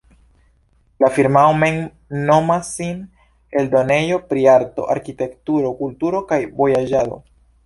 La firmao mem nomas sin "eldonejo pri arto, arkitekturo, kulturo kaj vojaĝado".